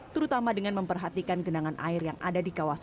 terutama dengan memperhatikan genangan air yang ada di kawasan